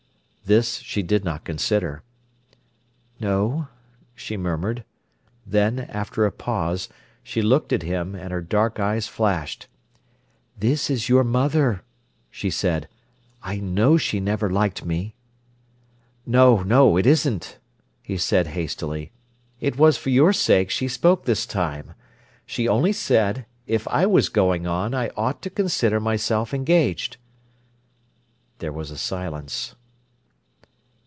This she did not consider. "No," she murmured. Then, after a pause, she looked at him, and her dark eyes flashed. "This is your mother," she said. "I know she never liked me." "No, no, it isn't," he said hastily. "It was for your sake she spoke this time. She only said, if I was going on, I ought to consider myself engaged." There was a silence.